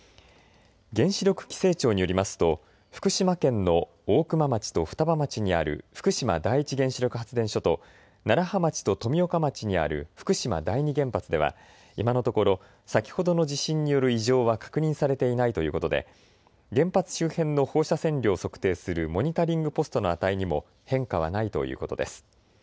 原子力規制庁によりますと福島県の大熊町と双葉町にある福島第一原子力発電所と楢葉町と富岡町にある福島第二原発では今のところ先ほどの地震による異常は確認されていないということで原発周辺の放射線量を測定するモニタリングポストの値にも変化はないということです。